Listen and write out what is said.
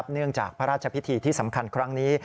เนื่องจากพระราชพิธีที่สำคัญครั้งนี้